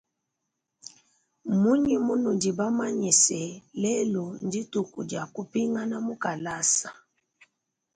Mnunyi munudi bamanye se lelu ndituku dia kupingana mukalasa.